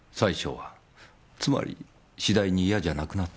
つまり次第にイヤじゃなくなった。